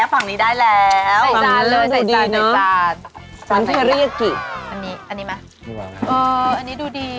ใส่จานเลยใส่จานใส่จานดูดีเนอะอันนี้อันนี้มาเอออันนี้ดูดีอ่ะ